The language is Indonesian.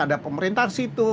ada pemerintah di situ